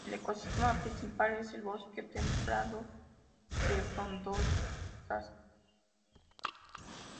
El ecosistema principal es el bosque templado de frondosas.